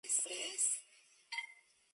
Pirámide: Optimista, positivismo, entusiasmo.